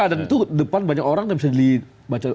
dan itu depan banyak orang yang bisa dibaca